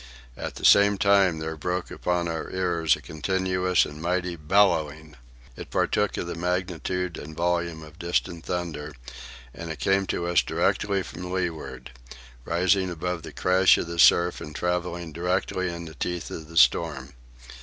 At the same time there broke upon our ears a continuous and mighty bellowing. It partook of the magnitude and volume of distant thunder, and it came to us directly from leeward, rising above the crash of the surf and travelling directly in the teeth of the storm.